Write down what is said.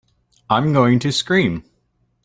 I'm going to scream!